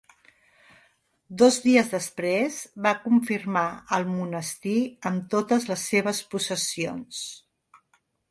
Dos dies després va confirmar al monestir en totes les seves possessions.